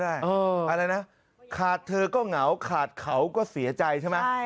นี่แหละครับคุณผู้ชมอยากเก็บเธอเอาไว้ทั้ง๒คน